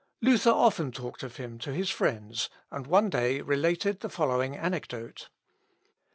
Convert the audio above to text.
Luther often talked of him to his friends, and one day related the following anecdote.